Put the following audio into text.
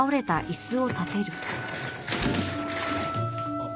あっ。